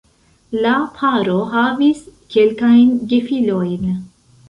La paro havis kelkajn gefilojn.